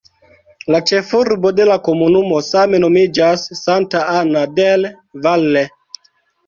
La ĉefurbo de la komunumo same nomiĝas "Santa Ana del Valle".